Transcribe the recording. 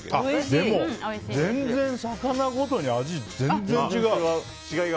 でも、全然魚ごとに味が全然違う。